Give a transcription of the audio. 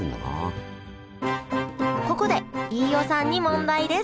ここで飯尾さんに問題です！